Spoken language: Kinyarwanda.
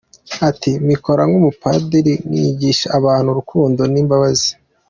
Ati “Mbikora nk’umupadiri, nkigisha abantu urukundo n’imbabazi.